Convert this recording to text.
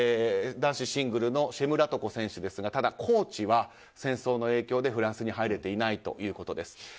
男子シングルのシュムラトコ選手ですがただ、コーチは戦争の影響で、フランスに入れていないということです。